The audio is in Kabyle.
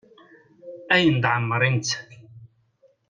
Ayen d-ɛemmer i nettat.